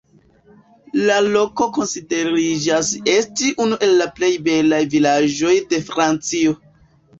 La loko konsideriĝas esti unu el la plej belaj vilaĝoj de Francio.